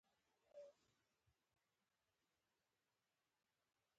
هلمند سیند د افغانستان د ښکلي طبیعت یوه برخه ده.